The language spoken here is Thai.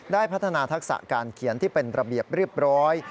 พัฒนาทักษะการเขียนที่เป็นระเบียบเรียบร้อย